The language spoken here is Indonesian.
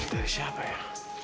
dari siapa ya